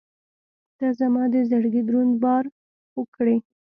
• ته زما د زړګي دروند بار خوږ کړې.